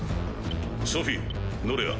ソフィノレア。